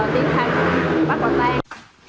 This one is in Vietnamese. tiến hành bắt quả tang